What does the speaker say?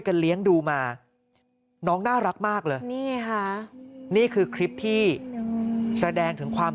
เลี้ยงดูมาน้องน่ารักมากเลยนี่ไงค่ะนี่คือคลิปที่แสดงถึงความ